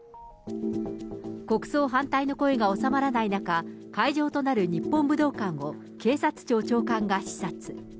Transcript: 国葬反対の声が収まらない中、会場となる日本武道館を、警察庁長官が視察。